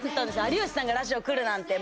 有吉さんがラジオ来るなんて